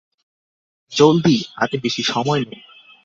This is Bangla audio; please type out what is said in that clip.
জলদি, হাতে বেশি সময় নেই।